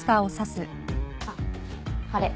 あっあれ。